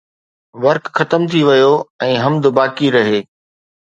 ورق ختم ٿي ويو ۽ حمد باقي رهي